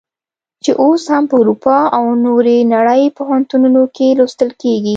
چې اوس هم په اروپا او نورې نړۍ پوهنتونونو کې لوستل کیږي.